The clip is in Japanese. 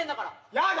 やだ！